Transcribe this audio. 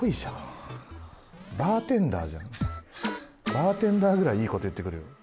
バーテンダーぐらいいいこと言ってくるよ。